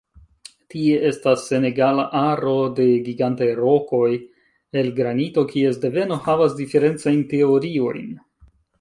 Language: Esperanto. Tie estas senegala aro de gigantaj rokoj el granito kies deveno havas diferencajn teoriojn.